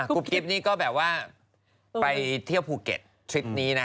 กิ๊บนี่ก็แบบว่าไปเที่ยวภูเก็ตทริปนี้นะ